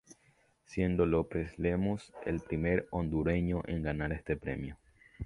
Siendo López Lemus el primer hondureño en ganar este premio.